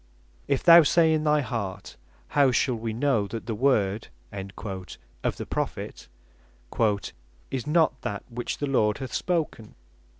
"If thou say in thy heart, How shall we know that the Word (of the Prophet) is not that which the Lord hath spoken.